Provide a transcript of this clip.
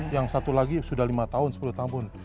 yang satu lagi sudah lima tahun sepuluh tahun